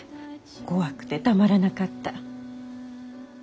怖くてたまらなかった。